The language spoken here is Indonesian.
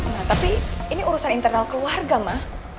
nah tapi ini urusan internal keluarga mah